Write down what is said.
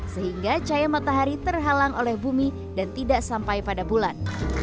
sehingga cahaya matahari terhalang oleh bumi dan tidak sampai pada bulan